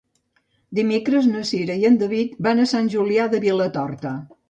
Dimecres na Cira i en David van a Sant Julià de Vilatorta.